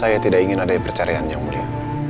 saya tidak ingin ada percarian yang mulia